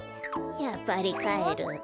やっぱりかえる。